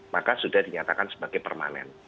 maka sudah dinyatakan